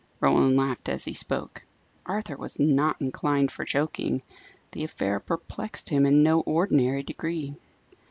Roland laughed as he spoke. Arthur was not inclined for joking; the affair perplexed him in no ordinary degree.